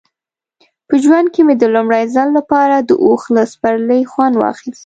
په ژوند کې مې د لومړي ځل لپاره د اوښ له سپرلۍ خوند واخیست.